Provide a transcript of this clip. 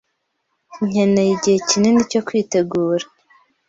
Nkeneye igihe kinini cyo kwitegura.